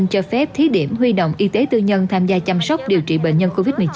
cho phép thí điểm huy động y tế tư nhân tham gia chăm sóc điều trị bệnh nhân covid một mươi chín